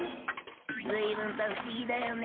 ずいぶんと不思議だよね。